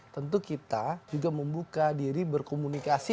tentu kita juga membuka diri berkomunikasi